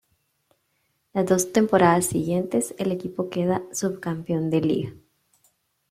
Las dos temporadas siguientes el equipo queda subcampeón de liga.